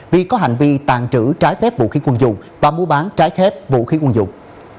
vì có hành vi tàn trữ trái phép vũ khí quân dụng và mua bán trái phép vũ khí quân dụng